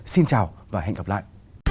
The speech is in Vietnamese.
xin chào và hẹn gặp lại